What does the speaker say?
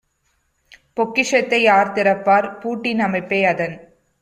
பொக்கிஷத்தை யார்திறப்பார்? பூட்டின் அமைப்பைஅதன்